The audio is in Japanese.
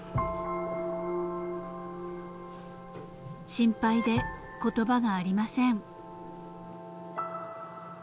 ［心配で言葉がありません］